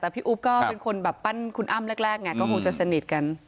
แต่พี่อุ๊บก็เป็นคนแบบปั้นคุณอ้ำแรกไงก็คงจะสนิทกัน